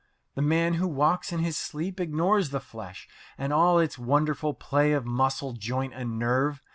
The man who walks in his sleep ignores the flesh and all its wonderful play of muscle, joint, and nerve.